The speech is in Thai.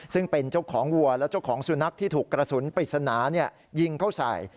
ซึ่งเป็นเจ้าของวัวและเจ้าของสุนัขที่ถูกกระสุนปริศนายิงเข้าใส่